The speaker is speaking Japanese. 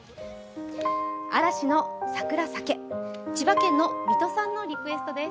嵐の「サクラ咲け」、千葉県の三戸さんのリクエストです。